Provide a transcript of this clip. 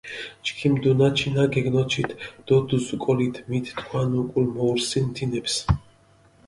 ჩქიმ დუნაჩინა გეგნოჩით დო დუზუკულით მით თქვან უკულ მოურსინ თინეფს.